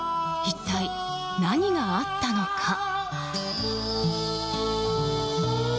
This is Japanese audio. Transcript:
一体何があったのか。